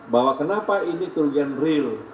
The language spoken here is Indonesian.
bahwa kenapa ini kerugian real